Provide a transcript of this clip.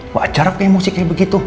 gak ajar aku emosi kayak begitu